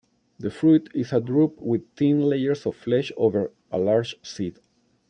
The fruit is a drupe with thin layers of flesh over a large seed.